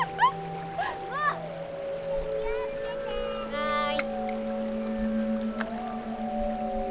はい。